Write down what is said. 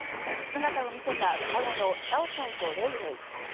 姿を見せた双子のシャオシャオとレイレイ。